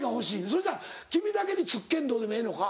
そしたら君だけにつっけんどんでもええのか？